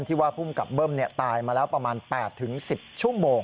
ว่าภูมิกับเบิ้มตายมาแล้วประมาณ๘๑๐ชั่วโมง